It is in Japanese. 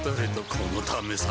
このためさ